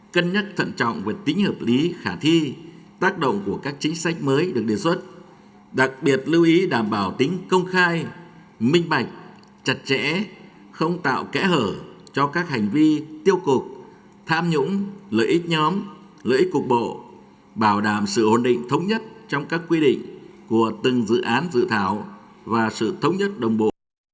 cân nhắc thận trọng về tính hợp lý khả thi tác động của các chính sách mới được đề xuất đặc biệt lưu ý đảm bảo tính công khai minh bạch chặt chẽ không tạo kẽ hở cho các hành vi tiêu cục tham nhũng lợi ích nhóm lợi ích cục bộ bảo đảm sự hồn định thống nhất trong các quy định của từng dự án dự thảo và sự thống nhất đồng bộ